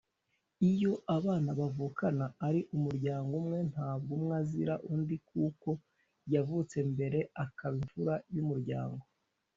iyo abana bavukana ari umuryango umwe ntabwo umwe azira undi kuko yavutse mbere akaba imfura y’umuryango